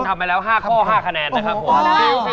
ทำไปแล้ว๕ข้อ๕คะแนนนะครับผม